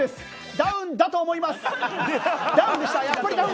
「ダウンだと思います」